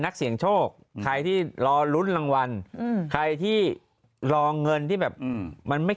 นักเสี่ยงโชคใครที่รอลุ้นรางวัลใครที่รอเงินที่แบบมันไม่